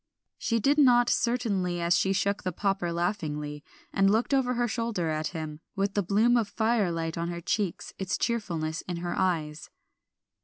She did not certainly as she shook the popper laughingly, and looked over her shoulder at him, with the bloom of fire light on her cheeks, its cheerfulness in her eyes.